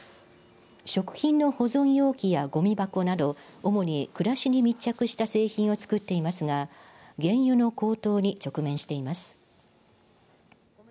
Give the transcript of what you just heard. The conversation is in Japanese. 食品の保存容器やごみ箱など主に暮らしに密着した製品を作っていますが原油の高騰に直面しています。